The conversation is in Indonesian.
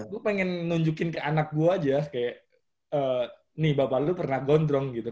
gue pengen nunjukin ke anak gue aja kayak nih bapak lu pernah gondrong gitu